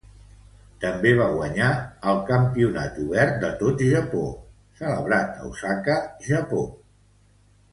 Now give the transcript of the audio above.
També va guanyar el "Campionat Obert de tot Japó" celebrat a Osaka, Japó.